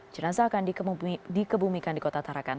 jenazah akan dikebumikan di kota tarakan